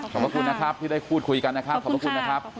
ขอบคุณนะครับที่ได้พูดคุยกันนะครับ